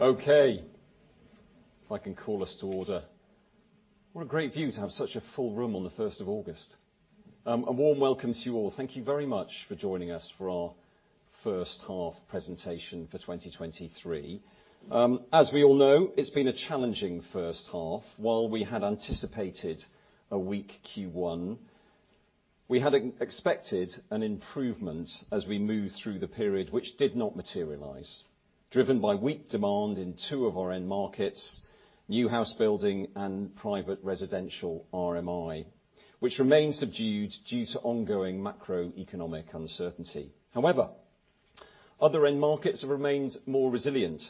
Okay, if I can call us to order. What a great view to have such a full room on the first of August. A warm welcome to you all. Thank you very much for joining us for our first half presentation for 2023. As we all know, it's been a challenging first half. While we had anticipated a weak Q1, we had expected an improvement as we moved through the period, which did not materialize, driven by weak demand in two of our end markets, new house building and private residential RMI, which remains subdued due to ongoing macroeconomic uncertainty. However, other end markets have remained more resilient.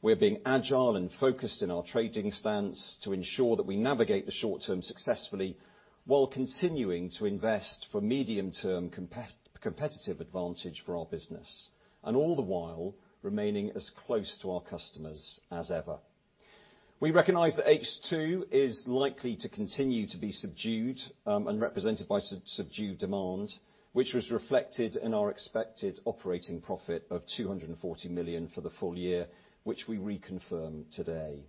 We're being agile and focused in our trading stance to ensure that we navigate the short term successfully, while continuing to invest for medium-term competitive advantage for our business, and all the while, remaining as close to our customers as ever. We recognize that H2 is likely to continue to be subdued, and represented by subdued demand, which was reflected in our expected operating profit of 240 million for the full year, which we reconfirm today.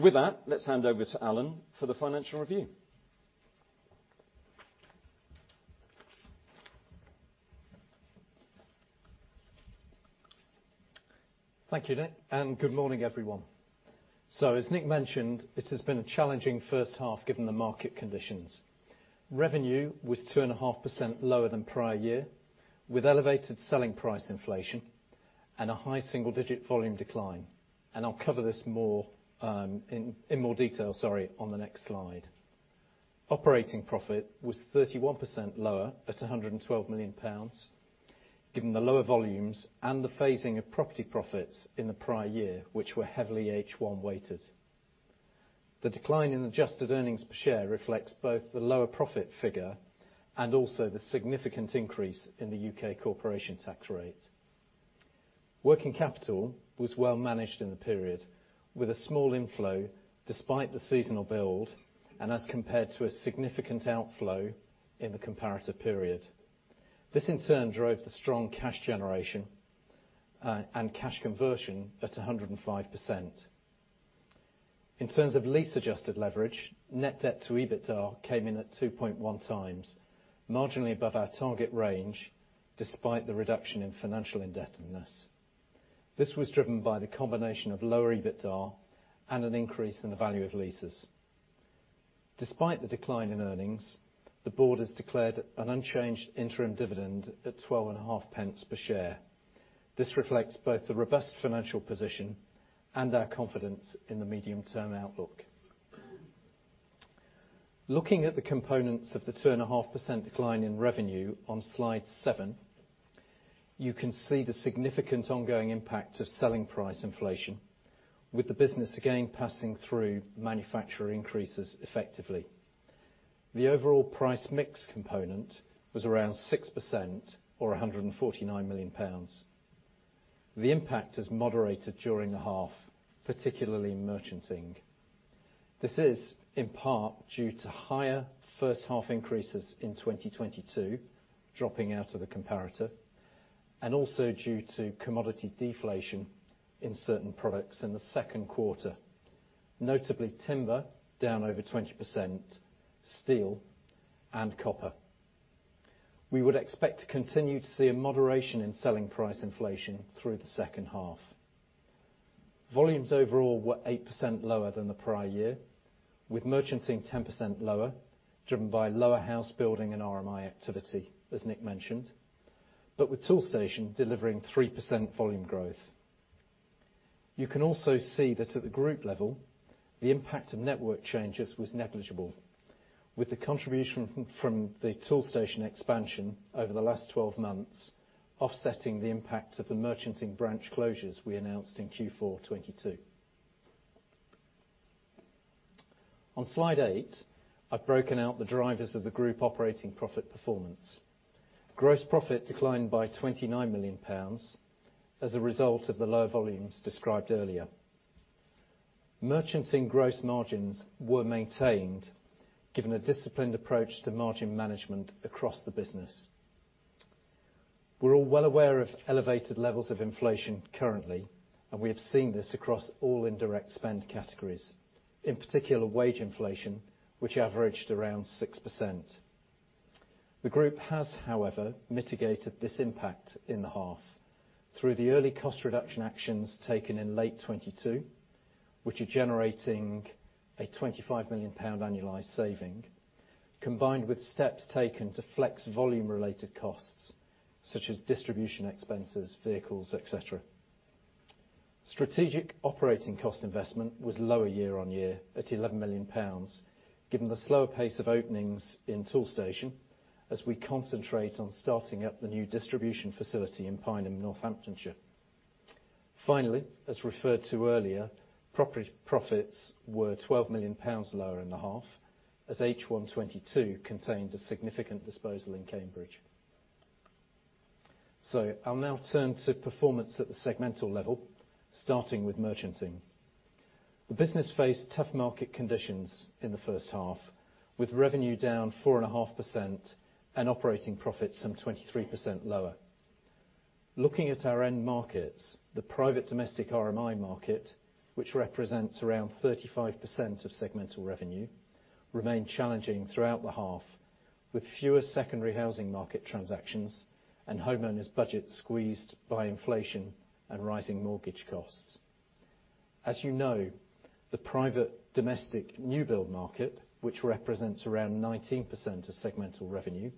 With that, let's hand over to Alan for the financial review. Thank you, Nick. Good morning, everyone. As Nick mentioned, it has been a challenging first half, given the market conditions. Revenue was 2.5% lower than prior year, with elevated selling price inflation and a high single-digit volume decline. I'll cover this more in more detail, sorry, on the next slide. Operating profit was 31% lower at 112 million pounds, given the lower volumes and the phasing of property profits in the prior year, which were heavily H1 weighted. The decline in adjusted earnings per share reflects both the lower profit figure and also the significant increase in the U.K. corporation tax rate. Working capital was well managed in the period, with a small inflow despite the seasonal build, and as compared to a significant outflow in the comparative period. This, in turn, drove the strong cash generation and cash conversion at 105%. In terms of lease-adjusted leverage, net debt to EBITDA came in at 2.1x, marginally above our target range, despite the reduction in financial indebtedness. This was driven by the combination of lower EBITDA and an increase in the value of leases. Despite the decline in earnings, the board has declared an unchanged interim dividend at 12.5 pence per share. This reflects both the robust financial position and our confidence in the medium-term outlook. Looking at the components of the 2.5% decline in revenue on Slide 7, you can see the significant ongoing impact of selling price inflation, with the business again passing through manufacturer increases effectively. The overall price mix component was around 6% or 149 million pounds. The impact has moderated during the half, particularly in merchanting. This is, in part, due to higher first half increases in 2022, dropping out of the comparator, and also due to commodity deflation in certain products in the second quarter, notably timber, down over 20%, steel, and copper. We would expect to continue to see a moderation in selling price inflation through the second half. Volumes overall were 8% lower than the prior year, with merchanting 10% lower, driven by lower house building and RMI activity, as Nick mentioned, but with Toolstation delivering 3% volume growth. You can also see that at the group level, the impact of network changes was negligible, with the contribution from the Toolstation expansion over the last 12 months offsetting the impact of the merchanting branch closures we announced in Q4 2022. On Slide 8, I've broken out the drivers of the group operating profit performance. Gross profit declined by 29 million pounds as a result of the lower volumes described earlier. Merchanting gross margins were maintained, given a disciplined approach to margin management across the business. We're all well aware of elevated levels of inflation currently, and we have seen this across all indirect spend categories, in particular, wage inflation, which averaged around 6%. The group has, however, mitigated this impact in the half through the early cost reduction actions taken in late 2022, which are generating a 25 million pound annualized saving, combined with steps taken to flex volume-related costs, such as distribution expenses, vehicles, et cetera. Strategic operating cost investment was lower year-on-year, at 11 million pounds, given the slower pace of openings in Toolstation as we concentrate on starting up the new distribution facility in Pineham, Northamptonshire. Finally, as referred to earlier, property profits were 12 million pounds lower in the half, as H1 2022 contained a significant disposal in Cambridge. I'll now turn to performance at the segmental level, starting with merchanting. The business faced tough market conditions in the first half, with revenue down 4.5% and operating profits some 23% lower. Looking at our end markets, the private domestic RMI market, which represents around 35% of segmental revenue, remained challenging throughout the half, with fewer secondary housing market transactions and homeowners' budgets squeezed by inflation and rising mortgage costs. As you know, the private domestic new build market, which represents around 19% of segmental revenue,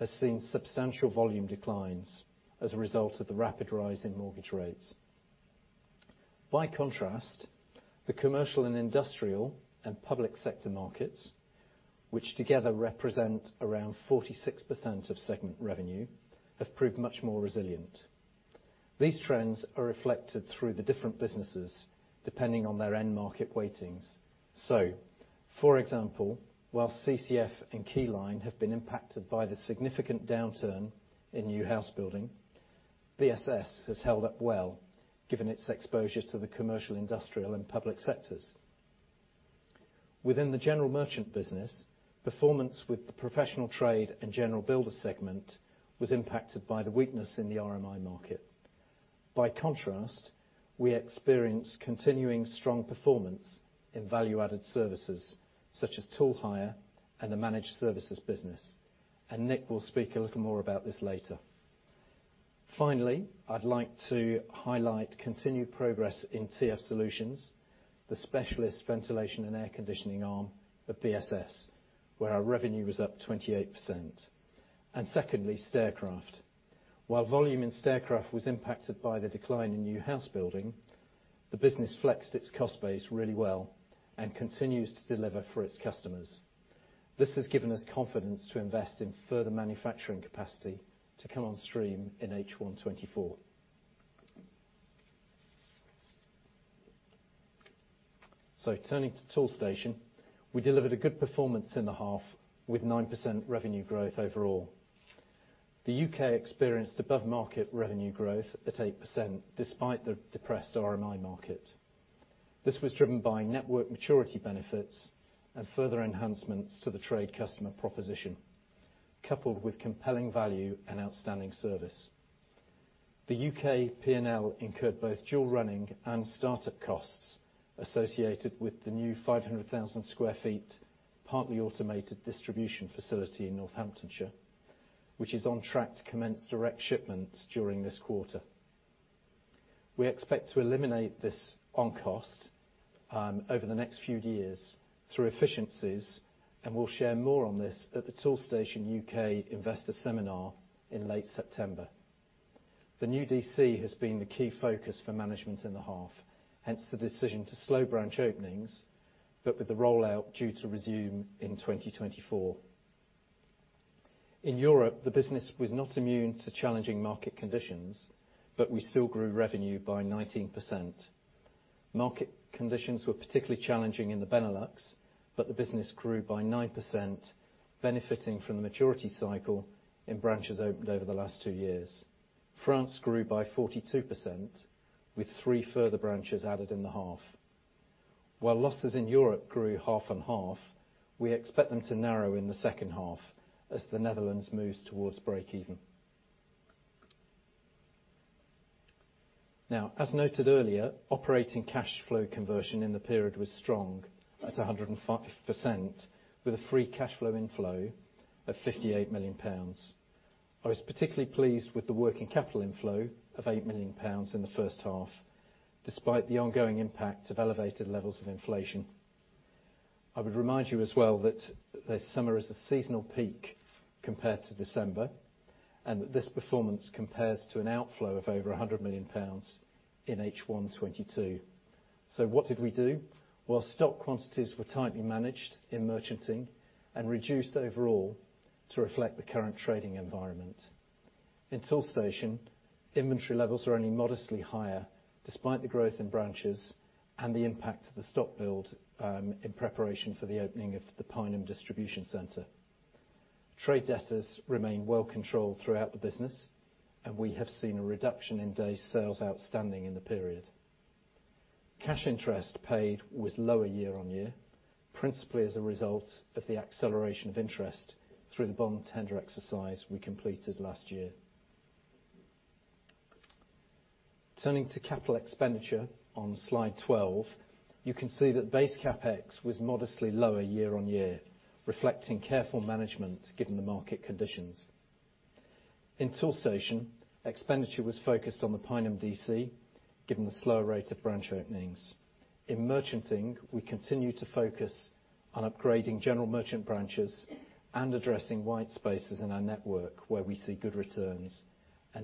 has seen substantial volume declines as a result of the rapid rise in mortgage rates. The commercial and industrial and public sector markets, which together represent around 46% of segment revenue, have proved much more resilient. These trends are reflected through the different businesses, depending on their end market weightings. For example, while CCF and Keyline have been impacted by the significant downturn in new house building, BSS has held up well, given its exposure to the commercial, industrial, and public sectors. Within the general merchant business, performance with the professional trade and general builder segment was impacted by the weakness in the RMI market. By contrast, we experienced continuing strong performance in value-added services, such as tool hire and the managed services business. Nick will speak a little more about this later. Finally, I'd like to highlight continued progress in TF Solutions, the specialist ventilation and air conditioning arm of BSS, where our revenue was up 28%. Secondly, Staircraft. While volume in Staircraft was impacted by the decline in new house building, the business flexed its cost base really well and continues to deliver for its customers. This has given us confidence to invest in further manufacturing capacity to come on stream in H1 2024. Turning to Toolstation, we delivered a good performance in the half, with 9% revenue growth overall. The UK experienced above-market revenue growth at 8%, despite the depressed RMI market. This was driven by network maturity benefits and further enhancements to the trade customer proposition, coupled with compelling value and outstanding service. The UK P&L incurred both dual running and start-up costs associated with the new 500,000 sq ft, partly automated, distribution facility in Northamptonshire, which is on track to commence direct shipments during this quarter. We expect to eliminate this on cost over the next few years through efficiencies, and we'll share more on this at the Toolstation UK Investor Seminar in late September. The new DC has been the key focus for management in the half, hence the decision to slow branch openings, but with the rollout due to resume in 2024. In Europe, the business was not immune to challenging market conditions, but we still grew revenue by 19%. Market conditions were particularly challenging in the Benelux, the business grew by 9%, benefiting from the maturity cycle in branches opened over the last 2 years. France grew by 42%, with 3 further branches added in the half. Losses in Europe grew half and half, we expect them to narrow in the 2nd half as the Netherlands moves towards break even. As noted earlier, operating cash flow conversion in the period was strong at 105%, with a free cash flow inflow of 58 million pounds. I was particularly pleased with the working capital inflow of 8 million pounds in the 1st half, despite the ongoing impact of elevated levels of inflation. I would remind you as well that this summer is a seasonal peak compared to December, this performance compares to an outflow of over 100 million pounds in H1 2022. What did we do? Well, stock quantities were tightly managed in merchanting and reduced overall to reflect the current trading environment. In Toolstation, inventory levels are only modestly higher, despite the growth in branches and the impact of the stock build in preparation for the opening of the Pineham distribution centre. Trade debtors remain well controlled throughout the business, and we have seen a reduction in days sales outstanding in the period. Cash interest paid was lower year-on-year, principally as a result of the acceleration of interest through the bond tender exercise we completed last year. Turning to capital expenditure on slide 12, you can see that base CapEx was modestly lower year on year, reflecting careful management given the market conditions. In Toolstation, expenditure was focused on the Pineham DC, given the slower rate of branch openings. In merchanting, we continue to focus on upgrading general merchant branches and addressing white spaces in our network where we see good returns.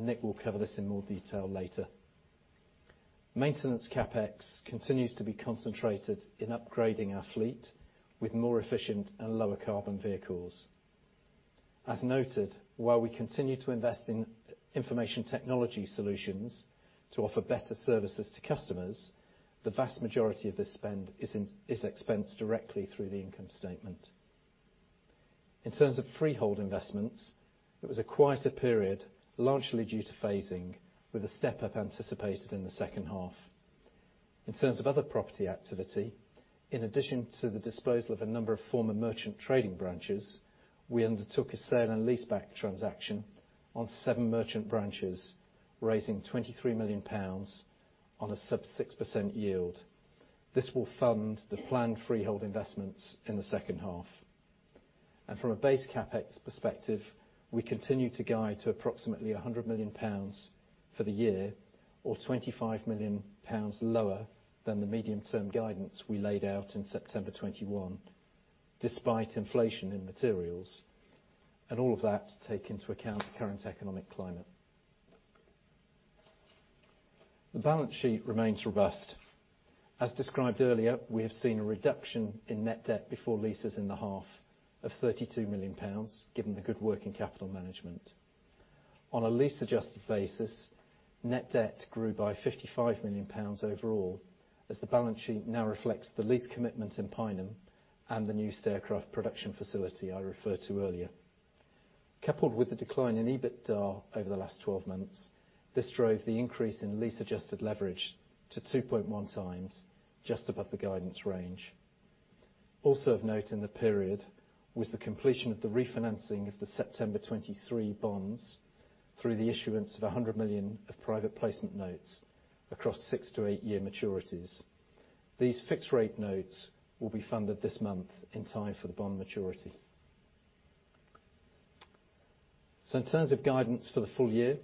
Nick will cover this in more detail later. Maintenance CapEx continues to be concentrated in upgrading our fleet with more efficient and lower carbon vehicles. As noted, while we continue to invest in information technology solutions to offer better services to customers, the vast majority of this spend is expensed directly through the income statement. In terms of freehold investments, it was a quieter period, largely due to phasing, with a step-up anticipated in the second half. In terms of other property activity, in addition to the disposal of a number of former merchant trading branches, we undertook a sale and leaseback transaction on seven merchant branches, raising 23 million pounds on a sub 6% yield. This will fund the planned freehold investments in the second half. From a base CapEx perspective, we continue to guide to approximately 100 million pounds for the year, or 25 million pounds lower than the medium-term guidance we laid out in September 2021, despite inflation in materials, and all of that to take into account the current economic climate. The balance sheet remains robust. As described earlier, we have seen a reduction in net debt before leases in the half of 32 million pounds, given the good working capital management. On a lease adjusted basis, net debt grew by 55 million pounds overall, as the balance sheet now reflects the lease commitment in Pineham and the new Staircraft production facility I referred to earlier. Coupled with the decline in EBITDA over the last 12 months, this drove the increase in lease-adjusted leverage to 2.1 times, just above the guidance range. Also of note in the period, was the completion of the refinancing of the September 2023 bonds through the issuance of 100 million of private placement notes across 6-8-year maturities. These fixed rate notes will be funded this month in time for the bond maturity. In terms of guidance for the full year,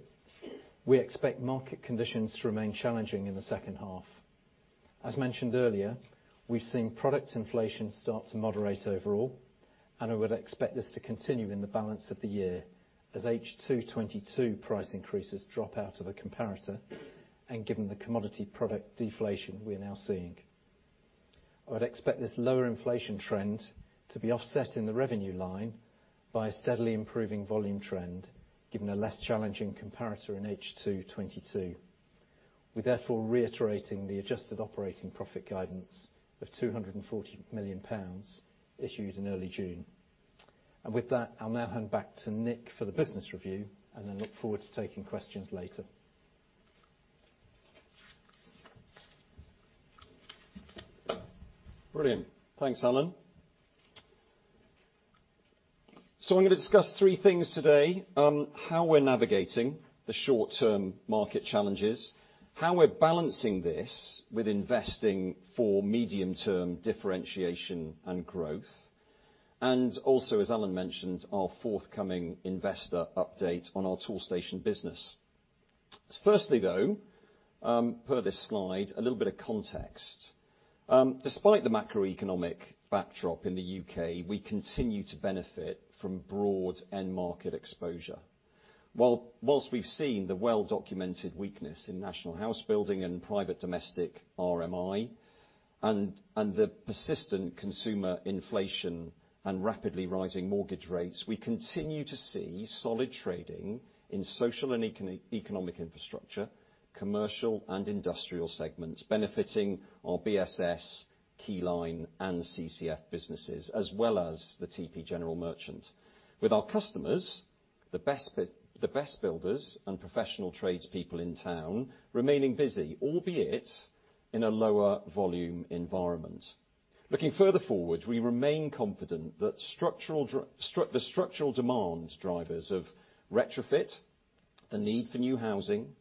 we expect market conditions to remain challenging in the second half. As mentioned earlier, we've seen product inflation start to moderate overall. I would expect this to continue in the balance of the year as H2 2022 price increases drop out of the comparator and given the commodity product deflation we are now seeing. I would expect this lower inflation trend to be offset in the revenue line by a steadily improving volume trend, given a less challenging comparator in H2 2022. We're therefore reiterating the adjusted operating profit guidance of 240 million pounds issued in early June. With that, I'll now hand back to Nick for the business review, and I look forward to taking questions later. Brilliant. Thanks, Alan. I'm going to discuss three things today: how we're navigating the short-term market challenges, how we're balancing this with investing for medium-term differentiation and growth, Also, as Alan mentioned, our forthcoming investor update on our Toolstation business. Firstly, though, per this slide, a little bit of context. Despite the macroeconomic backdrop in the U.K., we continue to benefit from broad end-market exposure. While we've seen the well-documented weakness in national house building and private domestic RMI, and the persistent consumer inflation and rapidly rising mortgage rates, we continue to see solid trading in social and economic infrastructure, commercial and industrial segments benefiting our BSS, Keyline and CCF businesses, as well as the TP General Merchant. With our customers, the best builders and professional tradespeople in town remaining busy, albeit in a lower volume environment. Looking further forward, we remain confident that the structural demand drivers of retrofit, the need for new housing,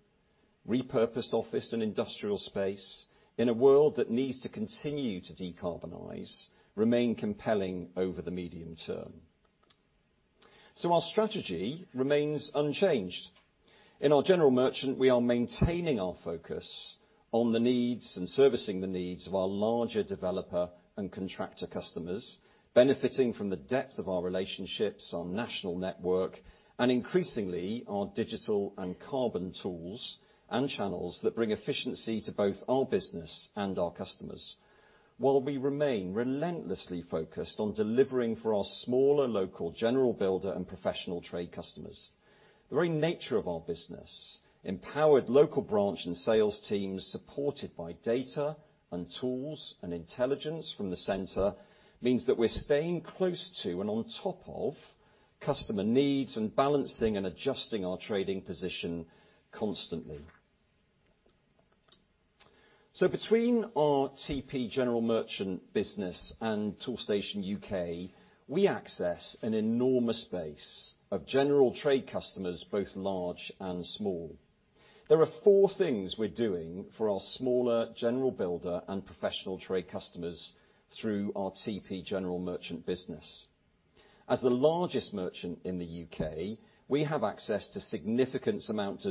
repurposed office and industrial space in a world that needs to continue to decarbonize, remain compelling over the medium term. Our strategy remains unchanged. In our General Merchant, we are maintaining our focus on the needs and servicing the needs of our larger developer and contractor customers, benefiting from the depth of our relationships, our national network, and increasingly, our digital and carbon tools and channels that bring efficiency to both our business and our customers. While we remain relentlessly focused on delivering for our smaller, local, general builder and professional trade customers, the very nature of our business, empowered local branch and sales teams, supported by data and tools and intelligence from the center, means that we're staying close to and on top of customer needs and balancing and adjusting our trading position constantly. Between our TP General Merchant business and Toolstation UK, we access an enormous base of general trade customers, both large and small. There are four things we're doing for our smaller general builder and professional trade customers through our TP General Merchant business. As the largest merchant in the UK, we have access to significant amounts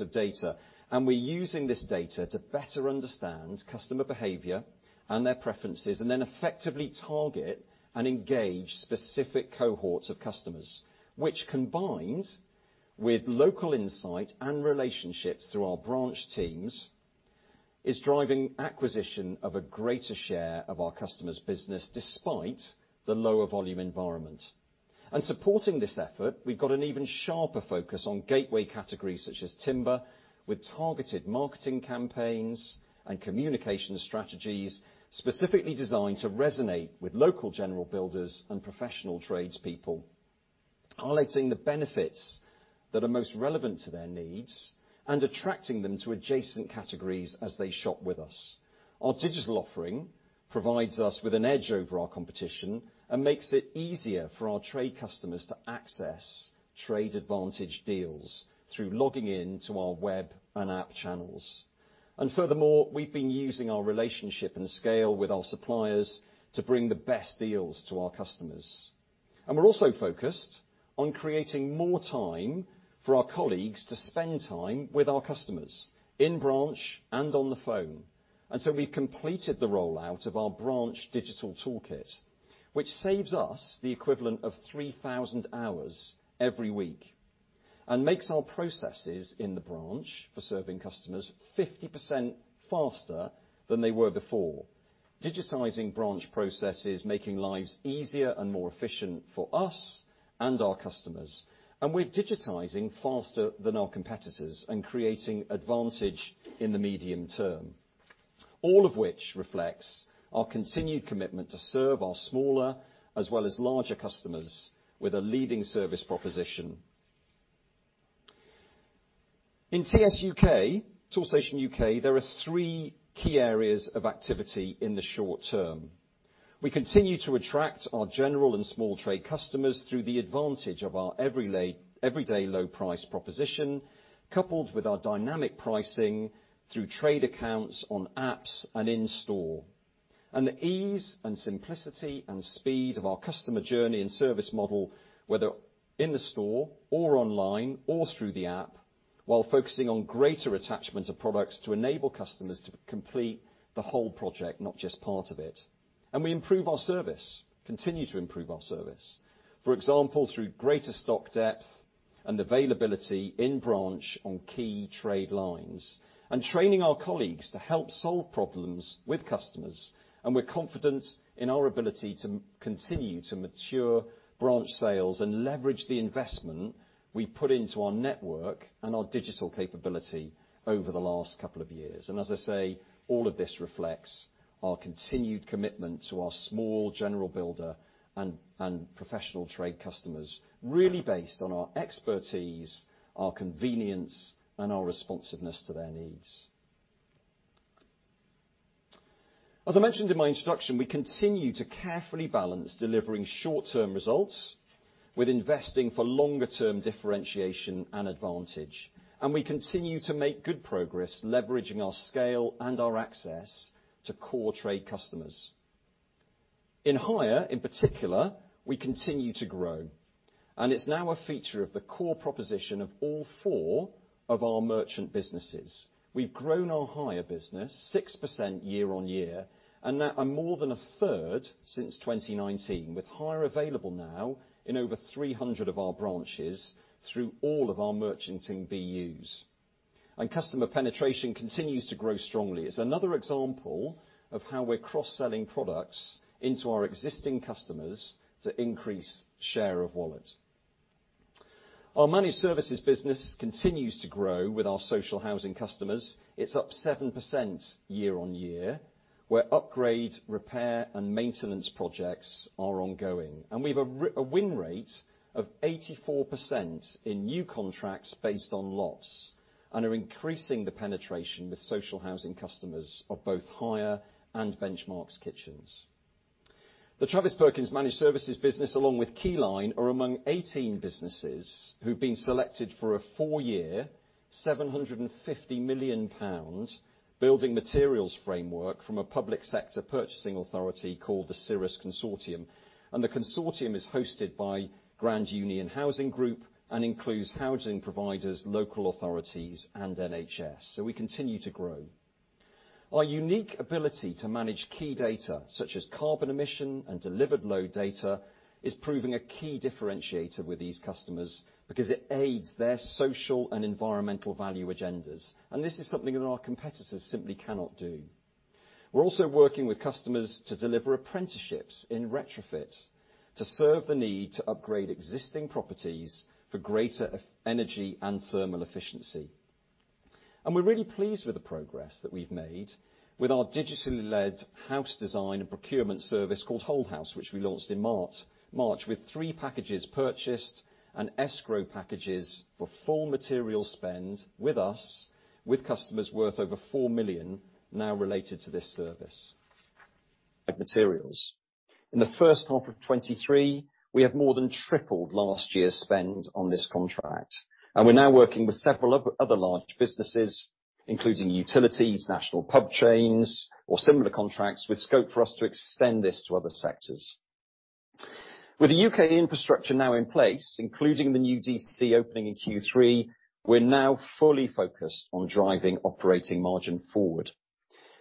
of data, and we're using this data to better understand customer behavior and their preferences, and then effectively target and engage specific cohorts of customers, which, combined with local insight and relationships through our branch teams, is driving acquisition of a greater share of our customers' business, despite the lower volume environment. Supporting this effort, we've got an even sharper focus on gateway categories such as timber, with targeted marketing campaigns and communication strategies, specifically designed to resonate with local general builders and professional tradespeople, highlighting the benefits that are most relevant to their needs and attracting them to adjacent categories as they shop with us. Our digital offering provides us with an edge over our competition and makes it easier for our trade customers to access trade advantage deals through logging in to our web and app channels. Furthermore, we've been using our relationship and scale with our suppliers to bring the best deals to our customers. We're also focused on creating more time for our colleagues to spend time with our customers, in branch and on the phone. We've completed the rollout of our branch digital toolkit, which saves us the equivalent of 3,000 hours every week, and makes our processes in the branch for serving customers 50% faster than they were before. Digitizing branch processes, making lives easier and more efficient for us and our customers. We're digitizing faster than our competitors and creating advantage in the medium term, all of which reflects our continued commitment to serve our smaller as well as larger customers with a leading service proposition. In TS UK, Toolstation UK, there are three key areas of activity in the short term. We continue to attract our general and small trade customers through the advantage of our everyday low price proposition, coupled with our dynamic pricing through trade accounts on apps and in store, and the ease and simplicity and speed of our customer journey and service model, whether in the store or online or through the app, while focusing on greater attachment of products to enable customers to complete the whole project, not just part of it. We improve our service, continue to improve our service, for example, through greater stock depth and availability in branch on key trade lines, and training our colleagues to help solve problems with customers. We're confident in our ability to continue to mature branch sales and leverage the investment we put into our network and our digital capability over the last couple of years. As I say, all of this reflects our continued commitment to our small general builder and and professional trade customers, really based on our expertise, our convenience, and our responsiveness to their needs. As I mentioned in my introduction, we continue to carefully balance delivering short-term results with investing for longer-term differentiation and advantage, and we continue to make good progress leveraging our scale and our access to core trade customers. In hire, in particular, we continue to grow, and it's now a feature of the core proposition of all four of our merchant businesses. We've grown our hire business 6% year-on-year, and now, more than a third since 2019, with hire available now in over 300 of our branches through all of our merchanting BUs. Customer penetration continues to grow strongly. It's another example of how we're cross-selling products into our existing customers to increase share of wallet. Our Travis Perkins Managed Services business continues to grow with our social housing customers. It's up 7% year-on-year, where upgrade, repair, and maintenance projects are ongoing. We have a win rate of 84% in new contracts based on lots, and are increasing the penetration with social housing customers of both hire and Benchmarx Kitchens. The Travis Perkins Managed Services business, along with Keyline, are among 18 businesses who've been selected for a four-year, 750 million pounds building materials framework from a public sector purchasing authority called the Cirrus Consortium. The consortium is hosted by Grand Union Housing Group and includes housing providers, local authorities, and NHS. We continue to grow. Our unique ability to manage key data, such as carbon emission and delivered load data, is proving a key differentiator with these customers because it aids their social and environmental value agendas. This is something that our competitors simply cannot do. We're also working with customers to deliver apprenticeships in retrofit, to serve the need to upgrade existing properties for greater energy and thermal efficiency. We're really pleased with the progress that we've made with our digitally led house design and procurement service called WholeHouse, which we launched in March, with three packages purchased and escrow packages for full material spend with us, with customers worth over 4 million now related to this service. Like materials. In the first half of 2023, we have more than tripled last year's spend on this contract, and we're now working with several other, other large businesses, including utilities, national pub chains, or similar contracts with scope for us to extend this to other sectors. With the UK infrastructure now in place, including the new DC opening in Q3, we're now fully focused on driving operating margin forward.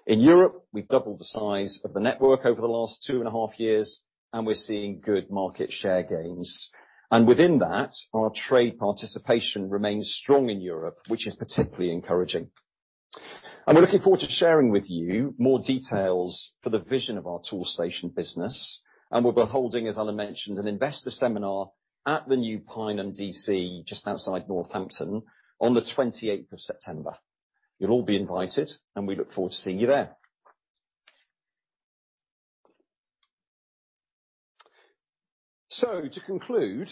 In Europe, we've doubled the size of the network over the last two and a half years, and we're seeing good market share gains. Within that, our trade participation remains strong in Europe, which is particularly encouraging. We're looking forward to sharing with you more details for the vision of our Toolstation business. We'll be holding, as Alan mentioned, an investor seminar at the new Pineham DC, just outside Northampton, on the 28th of September. You'll all be invited, and we look forward to seeing you there. To conclude,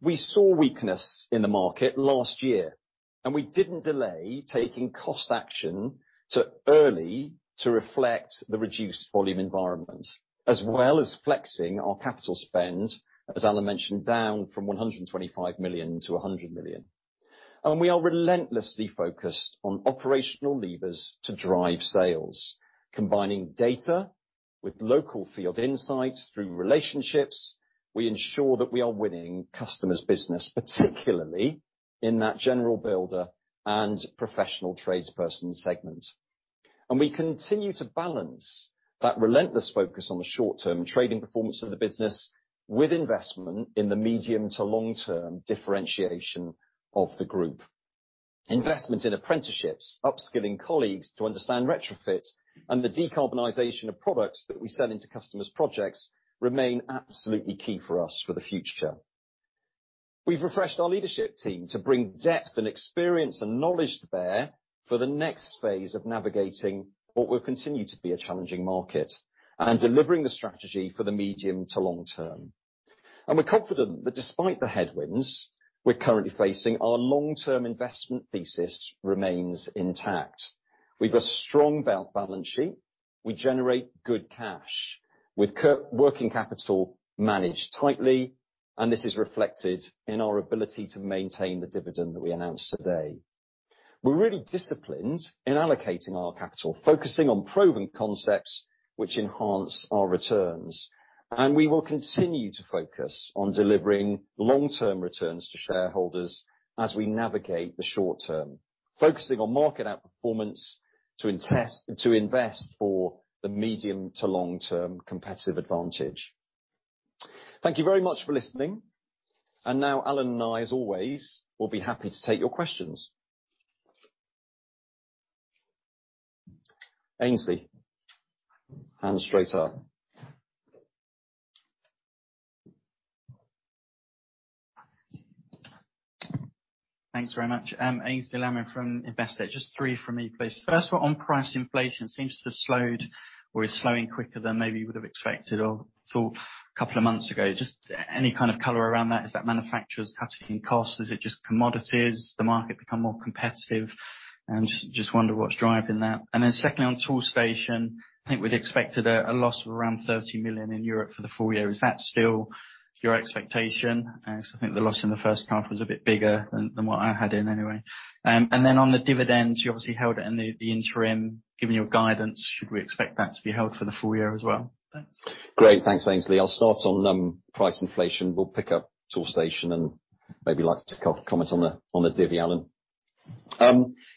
we saw weakness in the market last year, and we didn't delay taking cost action to early to reflect the reduced volume environment, as well as flexing our capital spend, as Alan mentioned, down from 125 million to 100 million. We are relentlessly focused on operational levers to drive sales. Combining data with local field insight through relationships, we ensure that we are winning customers' business, particularly in that general builder and professional tradesperson segment. We continue to balance that relentless focus on the short-term trading performance of the business, with investment in the medium to long-term differentiation of the group. Investment in apprenticeships, upskilling colleagues to understand retrofit, and the decarbonization of products that we sell into customers' projects, remain absolutely key for us for the future. We've refreshed our leadership team to bring depth and experience and knowledge to bear for the next phase of navigating what will continue to be a challenging market, and delivering the strategy for the medium to long term. We're confident that despite the headwinds we're currently facing, our long-term investment thesis remains intact. We've a strong balance sheet, we generate good cash with working capital managed tightly, and this is reflected in our ability to maintain the dividend that we announced today. We're really disciplined in allocating our capital, focusing on proven concepts which enhance our returns. We will continue to focus on delivering long-term returns to shareholders as we navigate the short term, focusing on market outperformance to invest, to invest for the medium to long-term competitive advantage. Thank you very much for listening. Now, Alan and I, as always, will be happy to take your questions. Aynsley, hand straight up. Thanks very much. Aynsley Lammin from Investec. Just three from me, please. First of all, on price, inflation seems to have slowed or is slowing quicker than maybe you would have expected or thought a couple of months ago. Just any kind of color around that. Is that manufacturers cutting costs? Is it just commodities, the market become more competitive? Just wonder what's driving that. Then secondly, on Toolstation, I think we'd expected a loss of around 30 million in Europe for the full year. Is that still your expectation? I think the loss in the first half was a bit bigger than what I had in, anyway. Then on the dividends, you obviously held in the interim. Given your guidance, should we expect that to be held for the full year as well? Thanks. Great. Thanks, Aynsley. I'll start on price inflation. We'll pick up Toolstation and maybe you'd like to co-comment on the, on the divvy, Alan.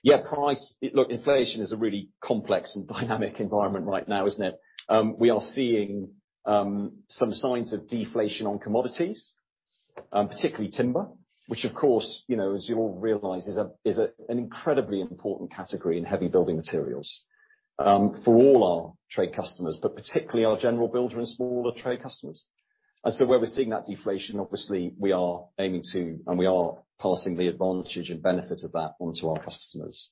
Yeah, price, look, inflation is a really complex and dynamic environment right now, isn't it? We are seeing some signs of deflation on commodities, and particularly timber, which of course, you know, as you all realize, is a, is a, an incredibly important category in heavy building materials for all our trade customers, but particularly our general builder and smaller trade customers. So where we're seeing that deflation, obviously we are aiming to, and we are passing the advantage and benefit of that on to our customers.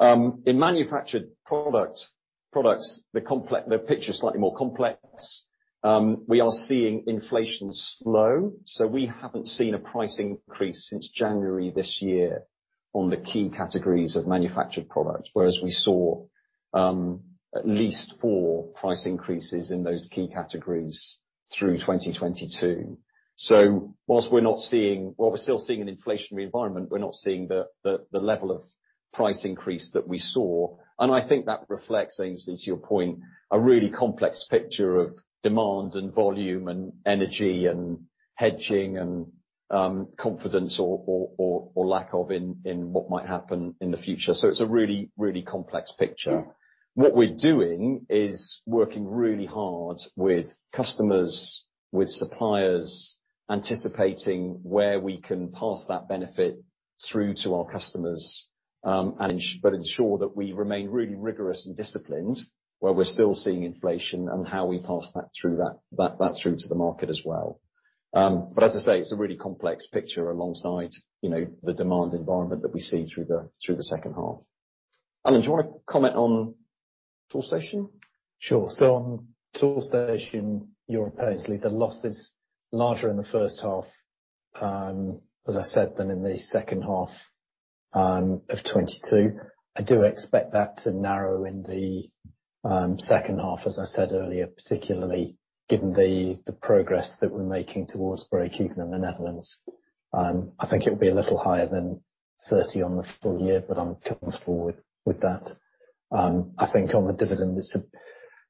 In manufactured products, the picture is slightly more complex. We are seeing inflation slow, so we haven't seen a price increase since January this year on the key categories of manufactured products, whereas we saw at least 4 price increases in those key categories through 2022. Whilst we're not seeing, while we're still seeing an inflationary environment, we're not seeing the, the, the level of price increase that we saw. I think that reflects, Aynsley, to your point, a really complex picture of demand and volume and energy and hedging and confidence or, or, or, or lack of, in, in what might happen in the future. It's a really, really complex picture. What we're doing is working really hard with customers, with suppliers, anticipating where we can pass that benefit through to our customers, and but ensure that we remain really rigorous and disciplined, where we're still seeing inflation and how we pass that through through to the market as well. As I say, it's a really complex picture alongside, you know, the demand environment that we see through the, through the second half. Alan, do you want to comment on Toolstation? Sure. On Toolstation, you're apparently, the loss is larger in the first half, as I said, than in the second half of 2022. I do expect that to narrow in the second half, as I said earlier, particularly given the progress that we're making towards breakeven in the Netherlands. I think it'll be a little higher than 30 on the full year, but I'm comfortable with that. I think on the dividend,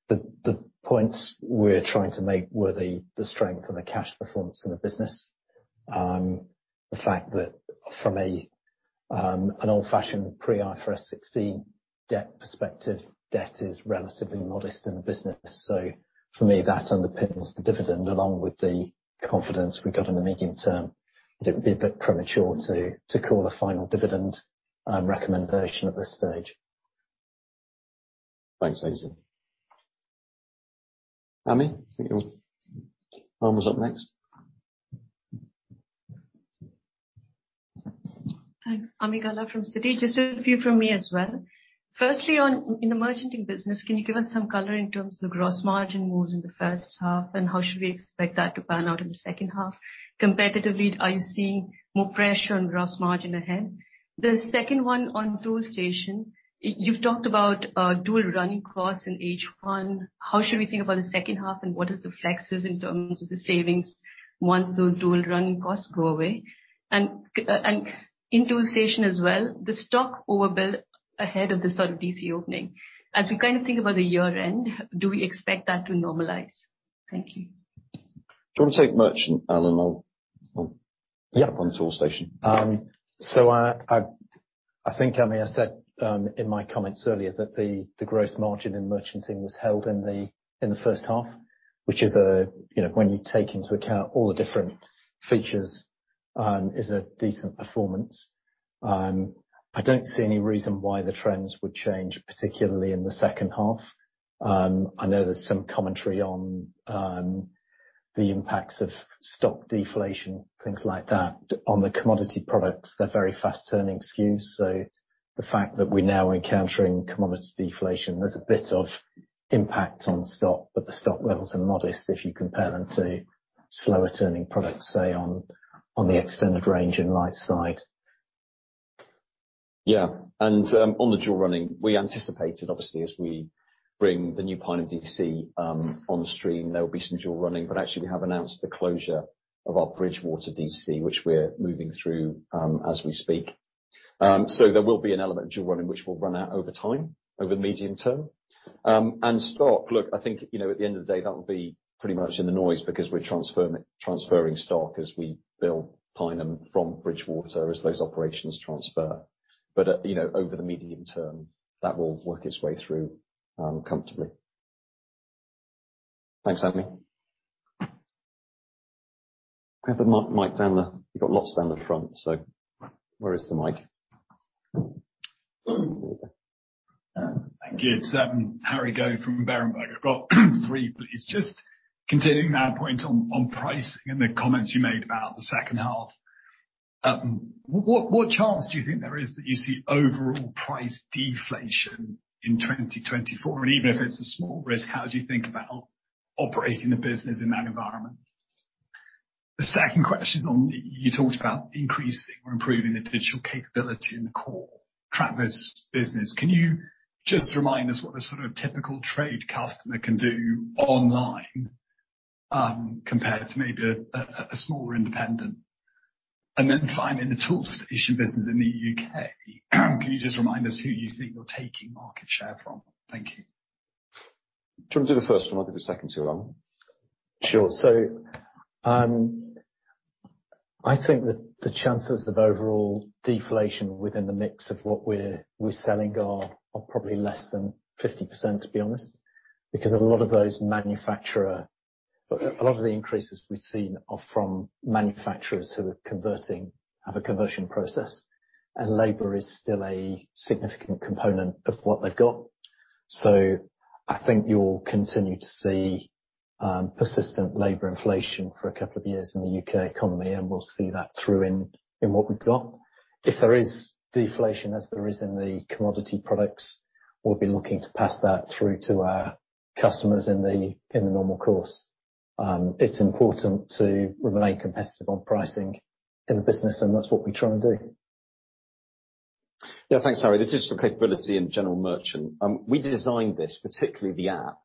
the points we're trying to make were the strength and the cash performance in the business. The fact that from a, an old-fashioned pre-IFRS 16 debt perspective, debt is relatively modest in the business. For me, that underpins the dividend, along with the confidence we've got in the medium term, but it would be a bit premature to call a final dividend recommendation at this stage. Thanks, Aynsley. Ami? I think your arm was up next. Thanks. Ami Galla from Citi. Just a few from me as well. Firstly, in the merchanting business, can you give us some color in terms of the gross margin moves in the first half, and how should we expect that to pan out in the second half? Competitively, are you seeing more pressure on gross margin ahead? The second one on Toolstation, you've talked about dual running costs in H1. How should we think about the second half, and what is the flexes in terms of the savings once those dual running costs go away? And in Toolstation as well, the stock overbuilt ahead of the sort of D.C. opening. As we kind of think about the year-end, do we expect that to normalize? Thank you. Do you want to take merchant, Alan? Yeah. Go on Toolstation. I, I, I think, Ami, I said in my comments earlier that the, the gross margin in merchanting was held in the, in the first half, which is a, you know, when you take into account all the different features, is a decent performance. I don't see any reason why the trends would change, particularly in the second half. I know there's some commentary on the impacts of stock deflation, things like that. On the commodity products, they're very fast-turning SKUs, so the fact that we're now encountering commodity deflation, there's a bit of impact on stock, but the stock levels are modest if you compare them to slower-turning products, say, on, on the extended range and light side. Yeah. On the dual running, we anticipated, obviously, as we bring the new Pineham DC, on stream, there will be some dual running, actually we have announced the closure of our Bridgwater DC, which we're moving through, as we speak. There will be an element of dual running, which will run out over time, over the medium term. Stock, look, I think, you know, at the end of the day, that will be pretty much in the noise because we're transferring stock as we build Pineham from Bridgwater, as those operations transfer. You know, over the medium term, that will work its way through, comfortably. Thanks, Ami. Can I have the mic down the. You've got lots down the front, so where is the mic? Thank you. It's Harry Goad from Berenberg. I've got three, please. Just continuing that point on, on pricing and the comments you made about the second half, what, what chance do you think there is that you see overall price deflation in 2024? Even if it's a small risk, how do you think about operating the business in that environment? The second question is on, you talked about increasing or improving the digital capability in the core Travis business. Can you just remind us what a sort of typical trade customer can do online, compared to maybe a smaller independent? Then finally, in the Toolstation business in the UK, can you just remind us who you think you're taking market share from? Thank you. Do you want to do the first one? I'll do the second two, Alan. Sure. I think that the chances of overall deflation within the mix of what we're, we're selling are, are probably less than 50%, to be honest, because a lot of the increases we've seen are from manufacturers who are converting, have a conversion process, and labor is still a significant component of what they've got. I think you'll continue to see persistent labor inflation for a couple of years in the U.K. economy, and we'll see that through in, in what we've got. If there is deflation, as there is in the commodity products, we'll be looking to pass that through to our customers in the, in the normal course. It's important to remain competitive on pricing in the business, and that's what we try and do. Yeah. Thanks, Harry. The digital capability in general merchant, we designed this, particularly the app,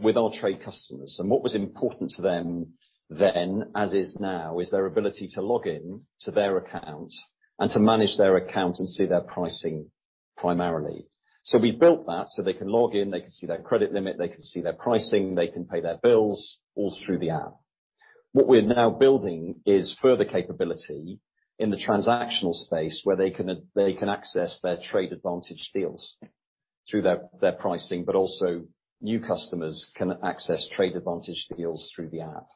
with our trade customers, and what was important to them then, as is now, is their ability to log in to their account and to manage their account and see their pricing primarily. We built that so they can log in, they can see their credit limit, they can see their pricing, they can pay their bills all through the app. What we're now building is further capability in the transactional space, where they can they can access their trade advantage deals through their, their pricing, but also new customers can access trade advantage deals through the app.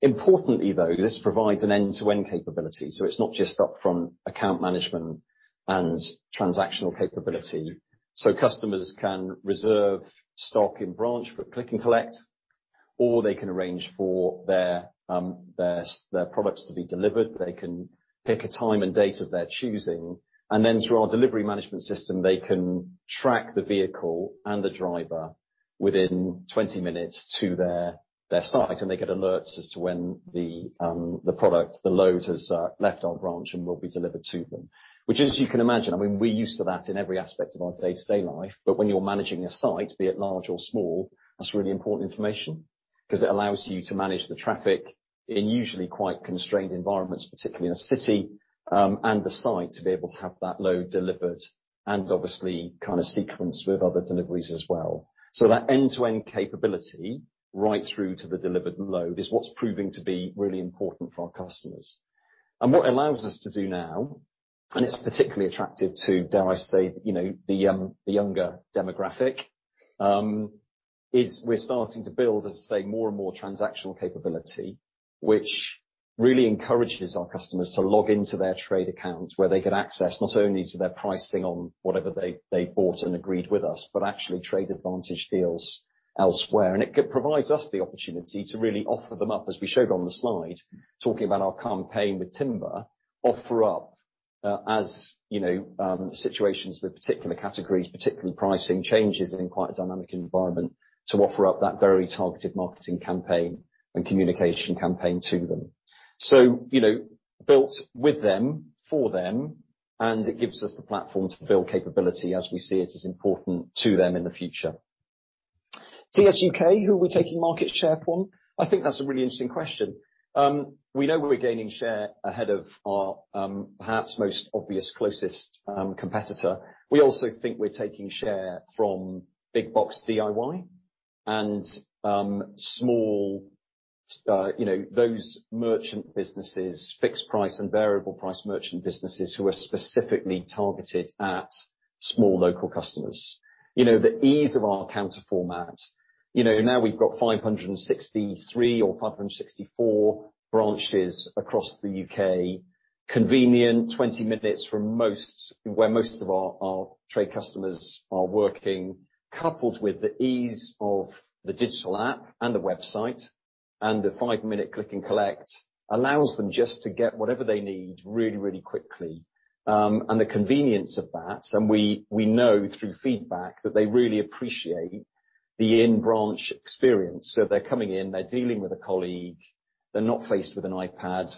Importantly, though, this provides an end-to-end capability, so it's not just up from account management and transactional capability. Customers can reserve stock in branch for click and collect, or they can arrange for their products to be delivered. They can pick a time and date of their choosing, and then through our delivery management system, they can track the vehicle and the driver within 20 minutes to their site, and they get alerts as to when the product, the load, has left our branch and will be delivered to them. Which, as you can imagine, I mean, we're used to that in every aspect of our day-to-day life, but when you're managing a site, be it large or small, that's really important information because it allows you to manage the traffic in usually quite constrained environments, particularly in a city, and the site, to be able to have that load delivered and obviously kind of sequenced with other deliveries as well. That end-to-end capability, right through to the delivered load, is what's proving to be really important for our customers. What it allows us to do now, and it's particularly attractive to, dare I say, you know, the, the younger demographic, is we're starting to build, as I say, more and more transactional capability, which. really encourages our customers to log into their trade accounts, where they get access, not only to their pricing on whatever they, they bought and agreed with us, but actually trade advantage deals elsewhere. It provides us the opportunity to really offer them up, as we showed on the slide, talking about our campaign with timber. Offer up, as, you know, situations with particular categories, particularly pricing changes in quite a dynamic environment, to offer up that very targeted marketing campaign and communication campaign to them. You know, built with them, for them, and it gives us the platform to build capability as we see it as important to them in the future. Toolstation UK, who we're taking market share from? I think that's a really interesting question. We know we're gaining share ahead of our, perhaps most obvious closest competitor. We also think we're taking share from big box DIY, and, you know, those merchant businesses, fixed price and variable price merchant businesses, who are specifically targeted at small local customers. You know, the ease of our counter format, you know, now we've got 563 or 564 branches across the U.K. Convenient, 20 minutes from where most of our, our trade customers are working, coupled with the ease of the digital app and the website, and the 5-minute click and collect, allows them just to get whatever they need really, really quickly. The convenience of that, and we, we know through feedback, that they really appreciate the in-branch experience. They're coming in, they're dealing with a colleague, they're not faced with an iPad.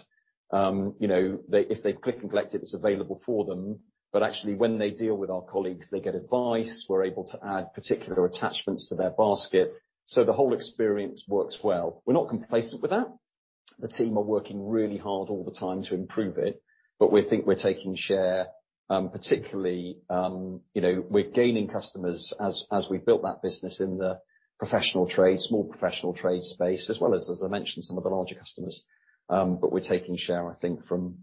You know, they, if they've click and collected, it's available for them. Actually, when they deal with our colleagues, they get advice. We're able to add particular attachments to their basket, so the whole experience works well. We're not complacent with that. The team are working really hard all the time to improve it, but we think we're taking share, particularly, you know, we're gaining customers as, as we built that business in the professional trade, small professional trade space, as well as, as I mentioned, some of the larger customers. We're taking share, I think, from,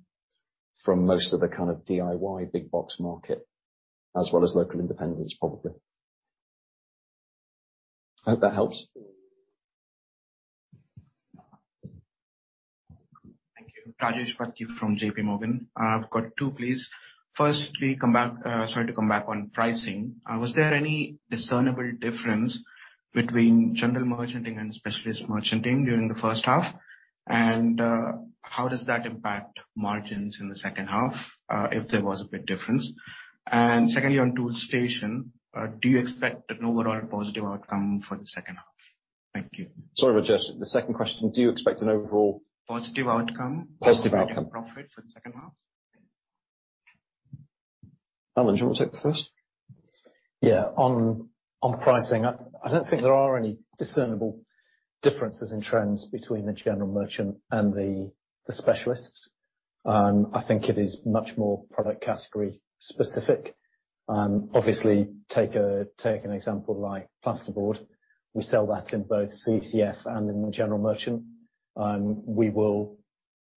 from most of the kind of DIY big box market, as well as local independents, probably. I hope that helps. Thank you. Rachit Bhatia from JPMorgan. I've got two, please. Firstly, come back, sorry, to come back on pricing. Was there any discernible difference between general merchanting and specialist merchanting during the first half? How does that impact margins in the second half, if there was a big difference? Secondly, on Toolstation, do you expect an overall positive outcome for the second half? Thank you. Sorry, Rachit, the second question, do you expect an overall... Positive outcome. Positive outcome. Profit for the second half? Alan, do you want to take the first? Yeah, on, on pricing, I, I don't think there are any discernible differences in trends between the General Merchant and the, the specialists. I think it is much more product category specific. Obviously, take a, take an example like plasterboard. We sell that in both CCF and in the General Merchant. We will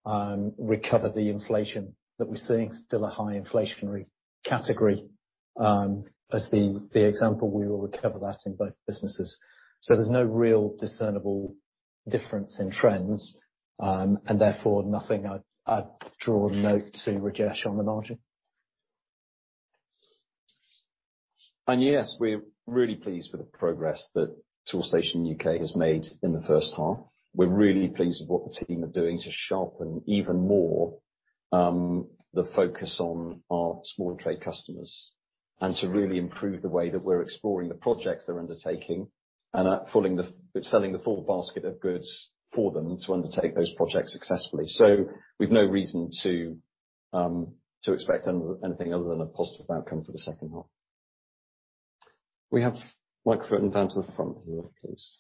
recover the inflation that we're seeing, still a high inflationary category. As the, the example, we will recover that in both businesses. There's no real discernible difference in trends, and therefore, nothing I'd, I'd draw note to Rachit on the margin. Yes, we're really pleased with the progress that Toolstation UK has made in the 1st half. We're really pleased with what the team are doing to sharpen even more the focus on our small trade customers, and to really improve the way that we're exploring the projects they're undertaking, and at selling the full basket of goods for them to undertake those projects successfully. We've no reason to expect anything other than a positive outcome for the 2nd half. We have a microphone down to the front here, please.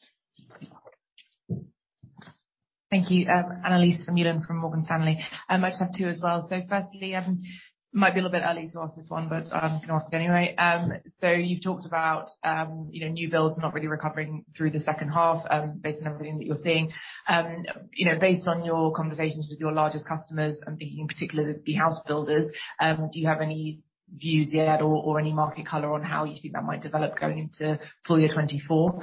Thank you. Annelies Vermeulen from Morgan Stanley. I might have two as well. Firstly, might be a little bit early to ask this one, but I can ask anyway. You've talked about, you know, new builds not really recovering through the second half, based on everything that you're seeing. You know, based on your conversations with your largest customers, and being in particular, the house builders, do you have any views yet, or any market color on how you think that might develop going into full year 2024?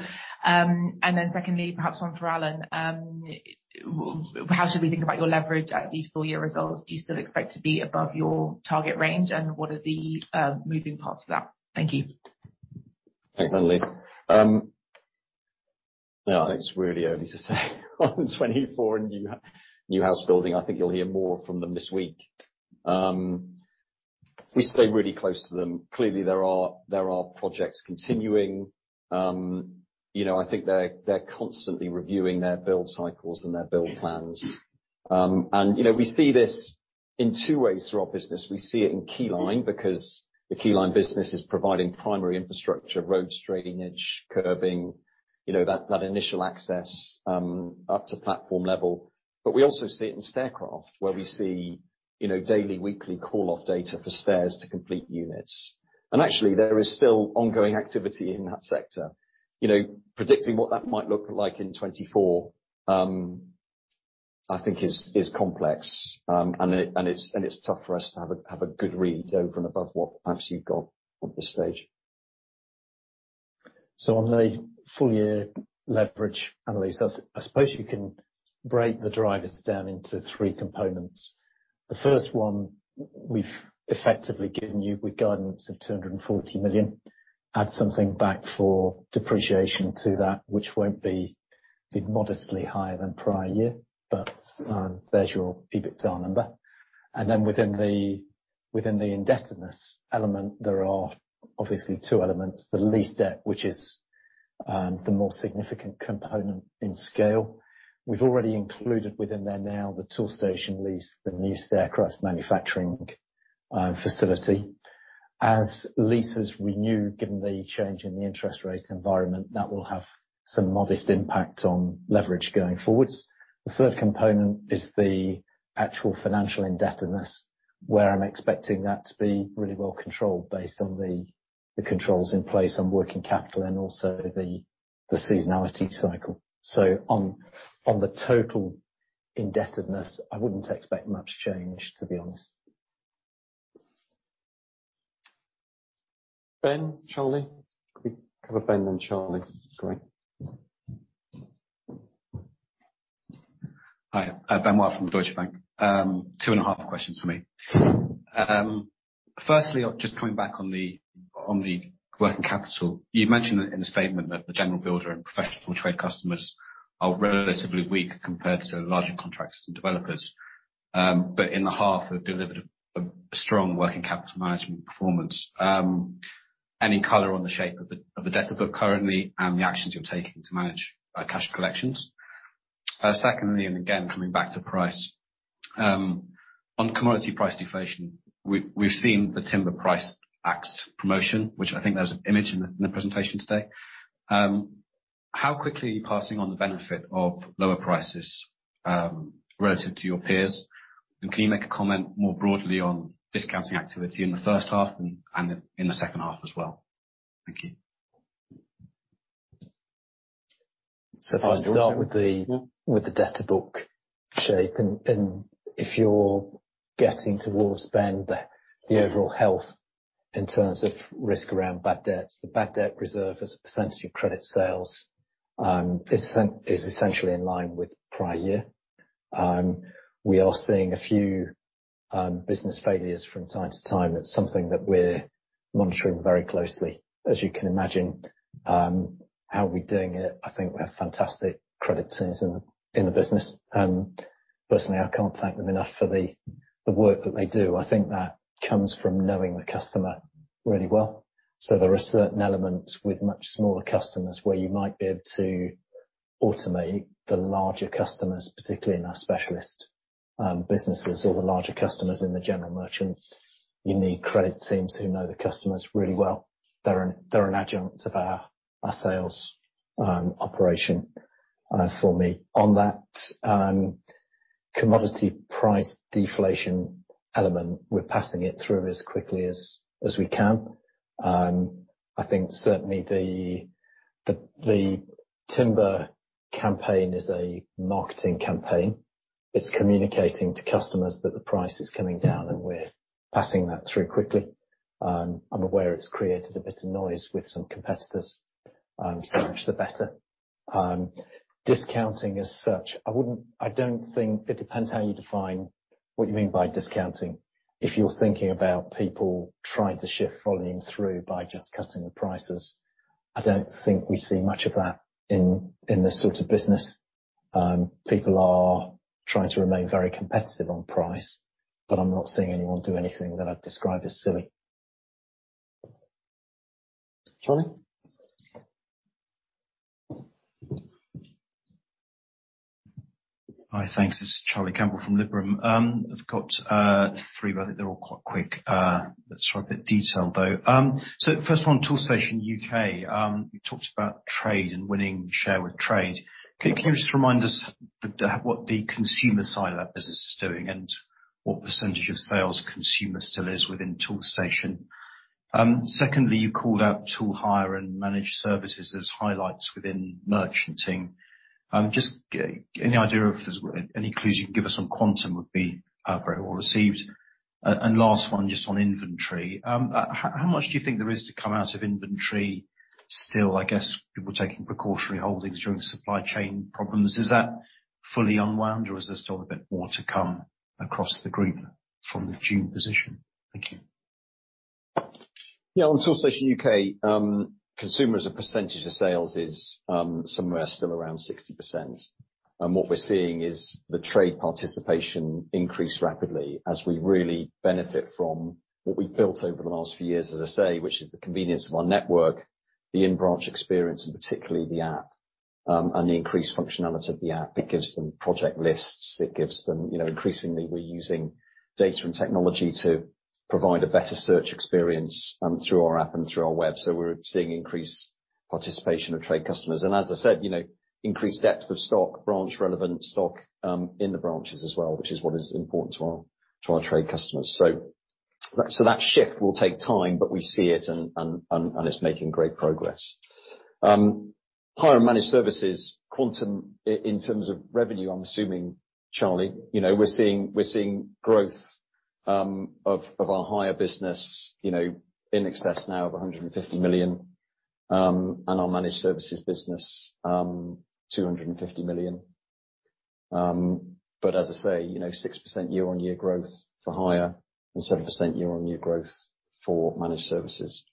Secondly, perhaps one for Alan. How should we think about your leverage at the full year results? Do you still expect to be above your target range, and what are the moving parts of that? Thank you. Thanks, Annelise. Well, it's really early to say, on 2024 in new house building. I think you'll hear more from them this week. We stay really close to them. Clearly, there are, there are projects continuing. You know, I think they're, they're constantly reviewing their build cycles and their build plans. You know, we see this in 2 ways through our business. We see it in Keyline, because the Keyline business is providing primary infrastructure, road drainage, curbing, you know, that, that initial access, up to platform level. We also see it in Staircraft, where we see, you know, daily, weekly call-off data for stairs to complete units. Actually, there is still ongoing activity in that sector. You know, predicting what that might look like in 2024, I think is, is complex. It's tough for us to have a, have a good read over and above what perhaps you've got at this stage. On the full year leverage analysis, I suppose you can break the drivers down into three components. The first one, we've effectively given you with guidance of 240 million. Add something back for depreciation to that, which won't be modestly higher than prior year, but there's your EBITDA number. Then within the, within the indebtedness element, there are obviously two elements: the lease debt, which is the more significant component in scale. We've already included within there now, the Toolstation lease, the new Staircraft manufacturing facility. As leases renew, given the change in the interest rate environment, that will have some modest impact on leverage going forwards. The third component is the actual financial indebtedness, where I'm expecting that to be really well controlled based on the, the controls in place on working capital and also the, the seasonality cycle. On the total indebtedness, I wouldn't expect much change, to be honest. Ben, Charlie? Can we cover Ben, then Charlie. Great. Hi, Ben Wang from Deutsche Bank. 2.5 questions for me. Firstly, just coming back on the, on the working capital. You've mentioned in the statement that the general builder and professional trade customers are relatively weak compared to larger contractors and developers. In the half, have delivered a, a strong working capital management performance. Any color on the shape of the, of the debtor book currently, and the actions you're taking to manage cash collections? Secondly, again, coming back to price, on commodity price deflation, we've, we've seen the timber price axed promotion, which I think there's an image in the, in the presentation today. How quickly are you passing on the benefit of lower prices, relative to your peers? Can you make a comment more broadly on discounting activity in the first half and, and in the second half as well? Thank you. if I start with the debtor book shape, and if you're getting towards spend, the overall health in terms of risk around bad debts, the bad debt reserve as a % of credit sales is essentially in line with prior year. We are seeing a few business failures from time to time. It's something that we're monitoring very closely. As you can imagine, how we're doing it, I think we have fantastic credit teams in the business, and personally, I can't thank them enough for the work that they do. I think that comes from knowing the customer really well. There are certain elements with much smaller customers where you might be able to automate the larger customers, particularly in our specialist businesses or the larger customers in the general merchants. You need credit teams who know the customers really well. They're an, they're an adjunct of our, our sales, operation, for me. On that, commodity price deflation element, we're passing it through as quickly as, as we can. I think certainly the, the, the timber campaign is a marketing campaign. It's communicating to customers that the price is coming down, and we're passing that through quickly. I'm aware it's created a bit of noise with some competitors, so much the better. Discounting as such, I wouldn't-- I don't think, it depends how you define what you mean by discounting. If you're thinking about people trying to shift volume through by just cutting the prices, I don't think we see much of that in, in this sort of business. People are trying to remain very competitive on price, but I'm not seeing anyone do anything that I'd describe as silly. Charlie? Hi, thanks. This is Charlie Campbell from Liberum. I've got 3, but I think they're all quite quick, but sort of a bit detailed, though. First one, Toolstation UK. You talked about trade and winning share with trade. Yeah. Can you just remind us the, what the consumer side of that business is doing, and what percentage of sales consumer still is within Toolstation? Secondly, you called out tool hire and managed services as highlights within merchanting. Just any idea if there's any clues you can give us on quantum would be very well received. Last one, just on inventory. How much do you think there is to come out of inventory still, I guess, people taking precautionary holdings during supply chain problems? Is that fully unwound, or is there still a bit more to come across the group from the June position? Thank you. Yeah, on Toolstation UK, consumer, as a percentage of sales, is somewhere still around 60%. What we're seeing is the trade participation increase rapidly as we really benefit from what we've built over the last few years, as I say, which is the convenience of our network, the in-branch experience, and particularly the app, and the increased functionality of the app. It gives them project lists, it gives them, you know, increasingly we're using data and technology to provide a better search experience through our app and through our web. We're seeing increased participation of trade customers. As I said, you know, increased depth of stock, branch relevant stock in the branches as well, which is what is important to our, to our trade customers. That, so that shift will take time, but we see it and, and, and, and it's making great progress. Hire and Managed Services quantum in terms of revenue, I'm assuming, Charlie. You know, we're seeing, we're seeing growth of our hire business, you know, in excess now of 150 million, and our Managed Services business, 250 million. As I say, you know, 6% year-on-year growth for hire and 7% year-on-year growth for Managed Services.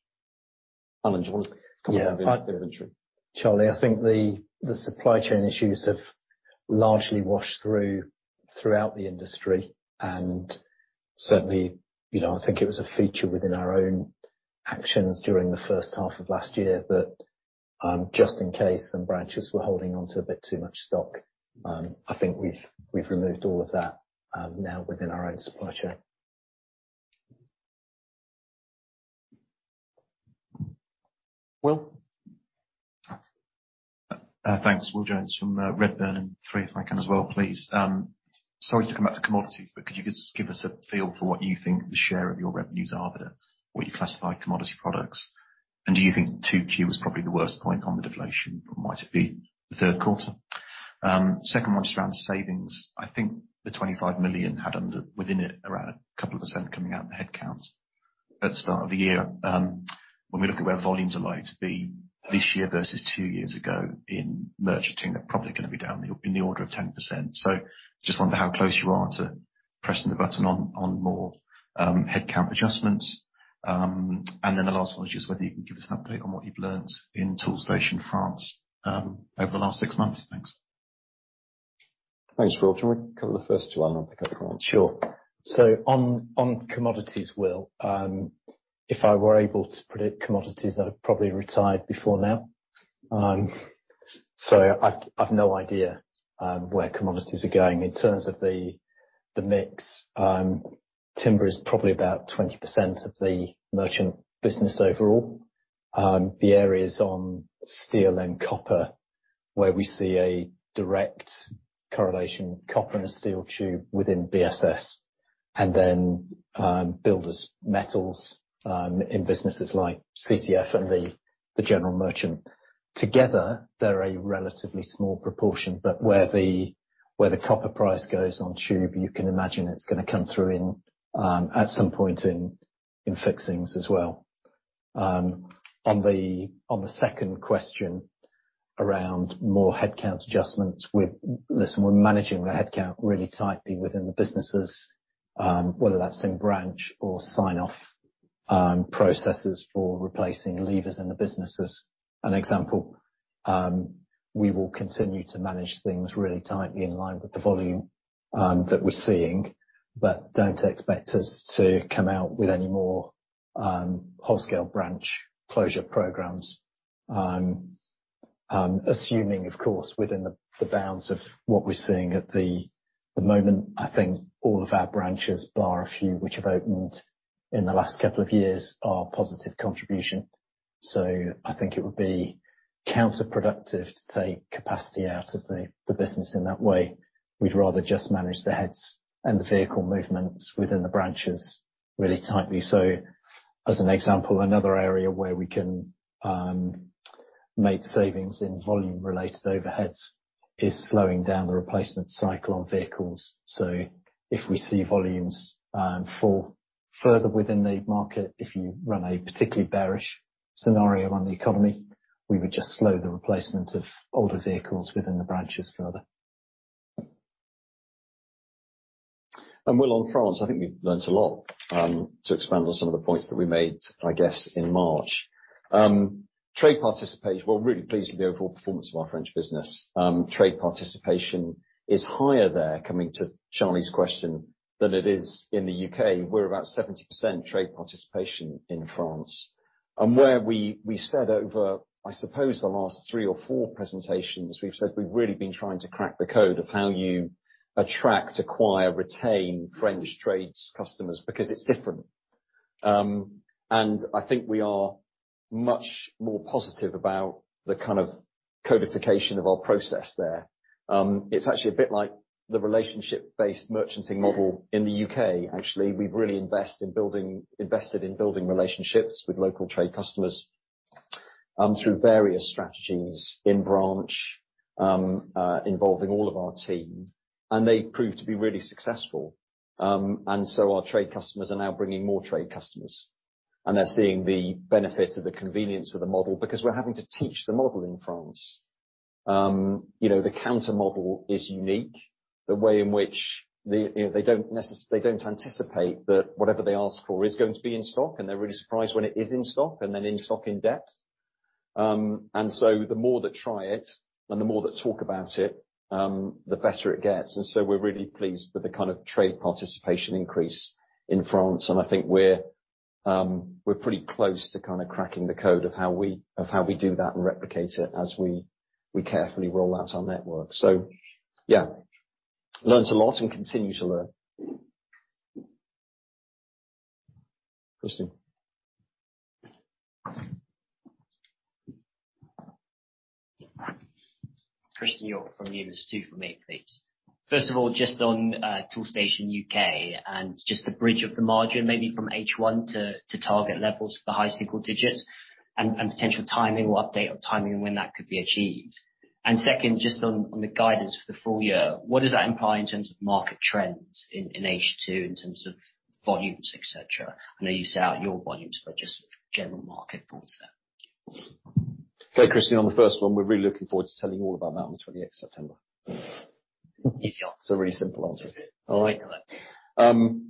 Alan, do you want to come up with a bit of entry? Charlie, I think the, the supply chain issues have largely washed through throughout the industry, and certainly, you know, I think it was a feature within our own actions during the first half of last year. Just in case some branches were holding on to a bit too much stock, I think we've, we've removed all of that, now within our own supply chain. Will? Thanks. Will Jones from Redburn, and 3, if I can as well, please. Sorry to come back to commodities, but could you just give us a feel for what you think the share of your revenues are that are, what you classify commodity products? Do you think 2Q was probably the worst point on the deflation, or might it be the third quarter? Second one, just around savings. I think the 25 million had under, within it, around a couple of % coming out in the headcounts at the start of the year. When we look at where volumes are likely to be this year versus 2 years ago in merchanting, they're probably going to be down in the order of 10%. Just wonder how close you are to pressing the button on, on more headcount adjustments. The last one is just whether you can give us an update on what you've learned in Toolstation France over the last six months. Thanks. Thanks, Will. Do you want to cover the first two, Alan? I'll pick up the comments. Sure. On, on commodities, Will, if I were able to predict commodities, I'd have probably retired before now. I've, I've no idea where commodities are going. In terms of the, the mix, timber is probably about 20% of the merchant business overall. The areas on steel and copper, where we see a direct correlation, copper and the steel tube within BSS, and then, builders metals, in businesses like CCF and the, the general merchant. Together, they're a relatively small proportion, but where the, where the copper price goes on tube, you can imagine it's going to come through in, at some point in, in fixings as well. On the, on the second question, around more headcount adjustments, we're-- listen, we're managing the headcount really tightly within the businesses, whether that's in branch or sign-off, processes for replacing leavers in the businesses. An example, we will continue to manage things really tightly in line with the volume that we're seeing. Don't expect us to come out with any more, whole-scale branch closure programs. Assuming, of course, within the, the bounds of what we're seeing at the, the moment, I think all of our branches, bar a few which have opened in the last 2 years, are a positive contribution. I think it would be counterproductive to take capacity out of the, the business in that way. We'd rather just manage the heads and the vehicle movements within the branches really tightly. As an example, another area where we can make savings in volume-related overheads is slowing down the replacement cycle on vehicles. If we see volumes fall further within the market, if you run a particularly bearish scenario on the economy, we would just slow the replacement of older vehicles within the branches further. Will, on France, I think we've learned a lot to expand on some of the points that we made, I guess, in March. Trade participation. We're really pleased with the overall performance of our French business. Trade participation is higher there, coming to Charlie's question, than it is in the UK. We're about 70% trade participation in France. Where we, we said over, I suppose, the last 3 or 4 presentations, we've said we've really been trying to crack the code of how you attract, acquire, retain French trades customers, because it's different. I think we are much more positive about the kind of codification of our process there. It's actually a bit like the relationship-based merchanting model in the UK. Actually, we've really invested in building relationships with local trade customers, through various strategies in branch, involving all of our team, and they've proved to be really successful. Our trade customers are now bringing more trade customers, and they're seeing the benefit of the convenience of the model, because we're having to teach the model in France. You know, the counter model is unique. The way in which the, you know, they don't anticipate that whatever they ask for is going to be in stock, and they're really surprised when it is in stock, and then in stock and depth. The more that try it, and the more that talk about it, the better it gets. we're really pleased with the kind of trade participation increase in France, and I think we're, we're pretty close to kind of cracking the code of how we, of how we do that and replicate it as we, we carefully roll out our network. So yeah, learned a lot and continue to learn. Christine? Christian York from Numis, two from me, please. First of all, just on, Toolstation UK, and just the bridge of the margin, maybe from H1 to, to target levels for the high single digits and, and potential timing or update on timing and when that could be achieved. Second, just on, on the guidance for the full year, what does that imply in terms of market trends in, in H2, in terms of volumes, et cetera? I know you set out your volumes, but just general market thoughts there. Okay, Christian, on the first one, we're really looking forward to telling you all about that on the 28th September. Easy answer. It's a really simple answer. All right, got it.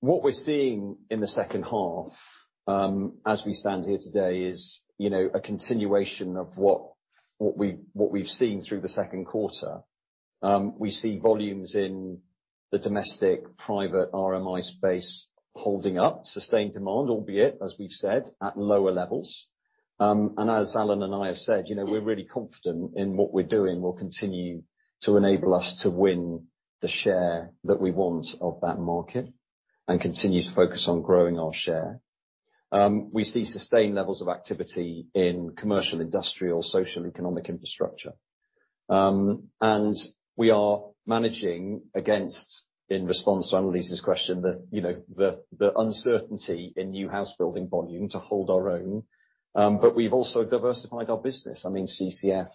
What we're seeing in the second half, as we stand here today, is, you know, a continuation of what, what we, what we've seen through the second quarter. We see volumes in the domestic private RMI space holding up, sustained demand, albeit, as we've said, at lower levels. As Alan and I have said, you know, we're really confident in what we're doing will continue to enable us to win the share that we want of that market and continue to focus on growing our share. We see sustained levels of activity in commercial, industrial, social, and economic infrastructure. We are managing against, in response to Annelie's question, the, you know, the, the uncertainty in new house building volume to hold our own. We've also diversified our business. I mean, CCF,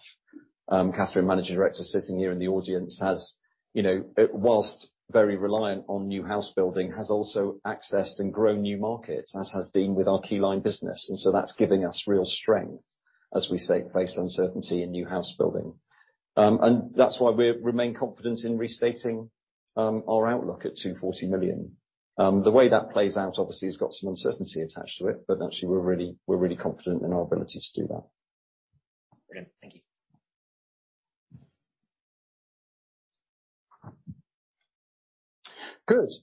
Catherine, managing director, sitting here in the audience, has, you know, whilst very reliant on new house building, has also accessed and grown new markets, as has been with our Keyline business. That's giving us real strength, as we say, face uncertainty in new house building. That's why we remain confident in restating our outlook at 240 million. The way that plays out, obviously, has got some uncertainty attached to it, but actually, we're really, we're really confident in our ability to do that. Brilliant. Thank you. Good.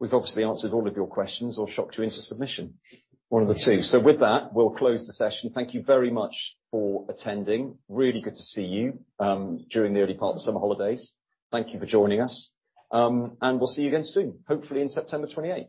We've obviously answered all of your questions or shocked you into submission, one of the two. With that, we'll close the session. Thank you very much for attending. Really good to see you during the early part of the summer holidays. Thank you for joining us, and we'll see you again soon, hopefully in September 28th.